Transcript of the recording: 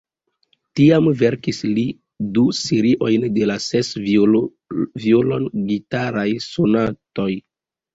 Tiam verkis li du seriojn de la ses violon-gitaraj sonatoj.